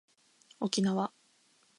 沖縄